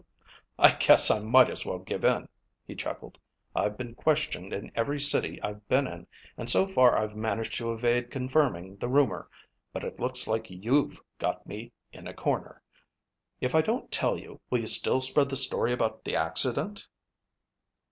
"I guess I might as well give in," he chuckled. "I've been questioned in every city I've been in and so far I've managed to evade confirming the rumor but it looks like you've got me in a corner. If I don't tell you, will you still spread the story about the accident?"